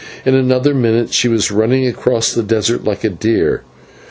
In another minute she was running across the desert like a deer.